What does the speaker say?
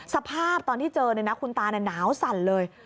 สภาพตอนที่เจอคุณตาหนาวสั่นเลย